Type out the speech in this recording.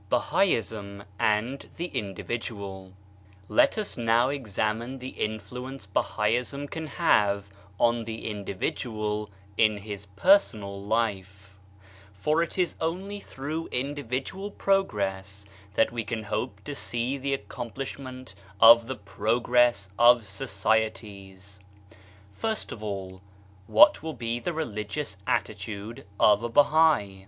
BAHAISM AND THE INDIVIDUAL Let us now examine the influence Ba haism can have on the individual in his personal life : for it is only through indi vidual progress that we can hope to see the accomplishment of the progress of societies. First of all, what will be the religious attitude of a Bahai